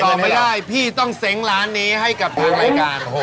ตอบไม่ได้พี่ต้องเสร็งร้านนี้ให้กับทางรายการโอ้โห